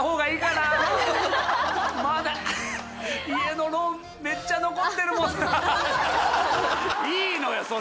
いいのよ